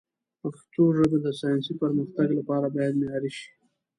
پښتو ژبه د ساینسي پرمختګ لپاره باید معیاري شي.